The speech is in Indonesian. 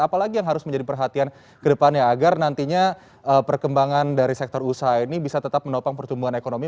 apalagi yang harus menjadi perhatian ke depannya agar nantinya perkembangan dari sektor usaha ini bisa tetap menopang pertumbuhan ekonomi